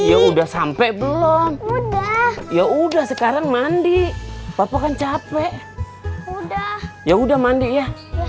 ya udah sampai belum udah ya udah sekarang mandi papa kan capek udah ya udah mandi ya